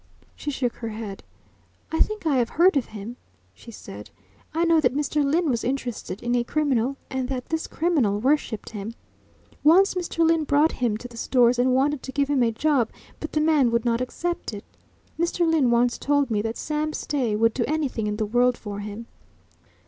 She shook her head. "I think I have heard of him," she said. "I know that Mr. Lyne was interested in a criminal, and that this criminal worshipped him. Once Mr. Lyne brought him to the Stores and wanted to give him a job but the man would not accept it. Mr. Lyne once told me that Sam Stay would do anything in the world for him."